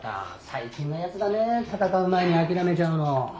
最近のやつだね戦う前に諦めちゃうの。